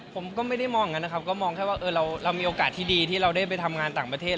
ผมก็ไม่ได้มองอย่างนั้นนะครับก็มองแค่ว่าเรามีโอกาสที่ดีที่เราได้ไปทำงานต่างประเทศ